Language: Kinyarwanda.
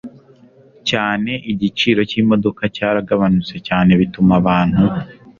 cyane igiciro cy imodoka cyaragabanutse cyane bituma abantu